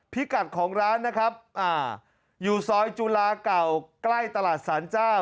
พิกัดของร้านนะครับอยู่ซอยจุฬาเก่าใกล้ตลาดสารเจ้า